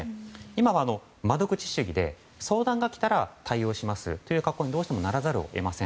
今は窓口主義で相談が来たら対応するという格好にならざるを得ません。